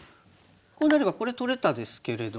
こうなればこれ取れたですけれども。